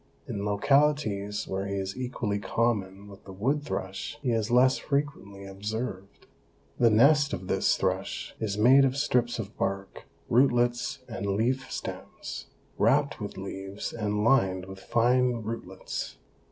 In localities where he is equally common with the wood thrush he is less frequently observed. The nest of this thrush is made of strips of bark, rootlets and leaf stems, wrapped with leaves and lined with fine rootlets.